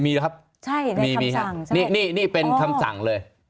อ๋อมีครับใช่ในคำสั่งใช่ไหมนี่เป็นคำสั่งเลย